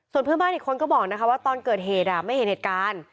ส่วนเพื่อนบ้านอีกคนก็บอกนะคะว่าตอนเกิดเหตุไม่เห็นเหตุการณ์